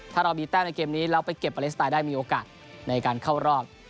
ถ้าเรามีแต้มในเกมนี้แล้วไปเก็บอเล็กสไตล์ได้มีโอกาสในการเข้ารอบ